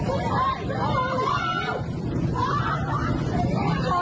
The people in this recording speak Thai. หัวตืกก็ได้